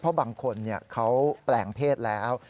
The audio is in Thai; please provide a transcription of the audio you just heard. เพราะบางคนเขาแปลงเพศแล้ว